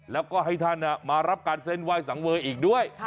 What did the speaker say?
แล้วก็ให้ท่านมารับการเส้นไหว้สังเวย์อีกด้วย